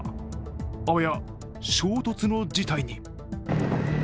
あわや衝突の事態に。